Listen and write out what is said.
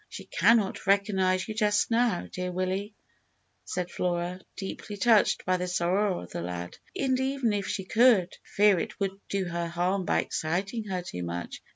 "She cannot recognise you just now, dear Willie," said Flora, deeply touched by the sorrow of the lad; "and, even if she could, I fear it would do her harm by exciting her too much.